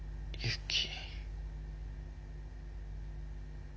ユキ。